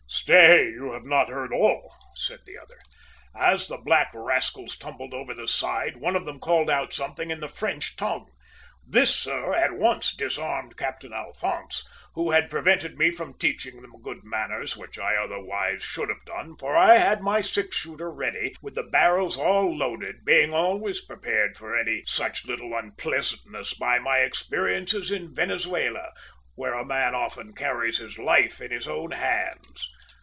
"Stay, you have not heard all," said the other. "As the black rascals tumbled over the side, one of them called out something in the French tongue. This, sir, at once disarmed Captain Alphonse, who had prevented me from teaching them good manners, which I otherwise should have done, for I had my six shooter ready, with the barrels all loaded, being always prepared for any such little unpleasantness by my experiences in Venezuela, where a man often carries his life in his own hands!